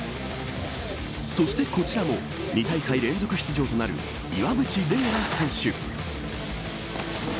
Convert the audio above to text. そして、こちらも２大会連続出場となる岩渕麗楽選手。